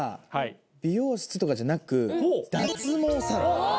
美容室とかじゃなく脱毛サロン。